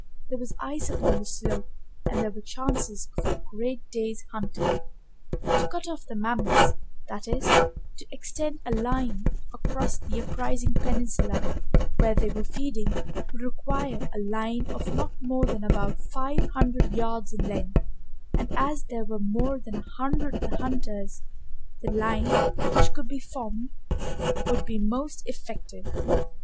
There was ice upon the slope and there were chances of a great day's hunting. To cut off the mammoths, that is, to extend a line across the uprising peninsula where they were feeding, would require a line of not more than about five hundred yards in length, and as there were more than a hundred of the hunters, the line which could be formed would be most effective.